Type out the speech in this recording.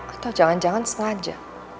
atau jangan jangan sengaja